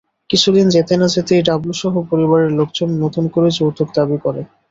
কিছুদিন যেতে না-যেতেই ডাবলুসহ পরিবারের লোকজন নতুন করে যৌতুক দাবি করে।